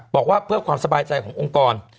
บอกว่าเพื่อความสบายใจขององค์กร